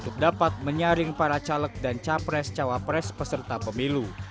sering para caleg dan capres cawapres peserta pemilu